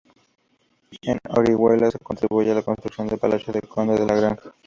En Orihuela se le atribuye la construcción del Palacio del Conde de la Granja.